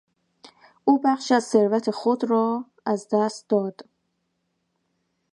او بخشی از ثروت خود ار از دست داد.